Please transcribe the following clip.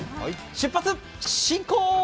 出発進行！